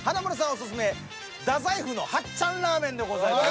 オススメ太宰府の「八ちゃんラーメン」でございます。